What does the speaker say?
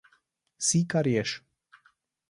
Si, kar ješ.